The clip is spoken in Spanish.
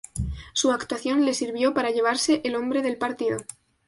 Su actuación le sirvió para llevarse el Hombre del Partido.